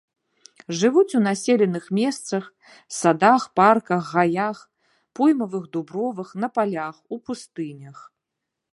Жывуць у населеных месцах, садах, парках, гаях, поймавых дубровах, на палях, у пустынях.